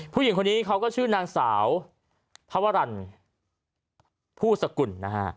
ผู้หญิงคนนี้เขาก็ชื่อนางสาวพระวรรณผู้สกุลนะฮะ